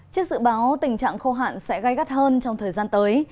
trước dự báo tình trạng khô hạn sẽ gai gắt hơn trong thời gian tới